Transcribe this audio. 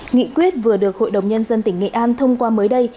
nghị quyết vừa được hội đồng nhân dân tỉnh nghệ an thông qua mới đây